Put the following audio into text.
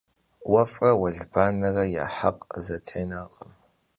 Vuef're vuelbanere ya hekh zetênerkhım.